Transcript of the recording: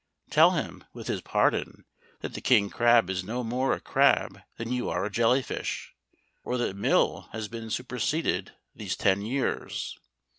Tell him, with his pardon, that the king crab is no more a crab than you are a jelly fish, or that Mill has been superseded these ten years.